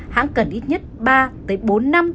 hãng cần ít nhất ba bốn năm